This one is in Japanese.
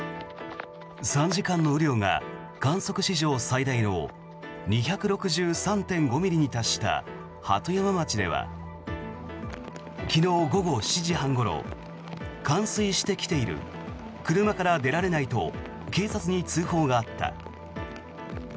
３時間の雨量が観測史上最大の２６３．５ミリに達した鳩山町では昨日午後７時半ごろ冠水してきている車から出られないと警察に通報があった。